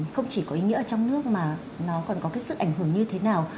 không chỉ có ý nghĩa ở trong nước mà nó còn có cái sự ảnh hưởng như thế nào